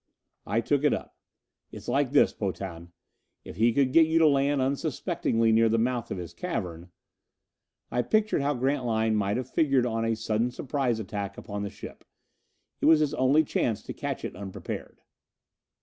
I took it up. "It's like this, Potan: if he could get you to land unsuspectingly near the mouth of his cavern...." I pictured how Grantline might have figured on a sudden surprise attack upon the ship. It was his only chance to catch it unprepared.